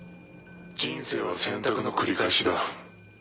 人生は選択の繰り返しだ。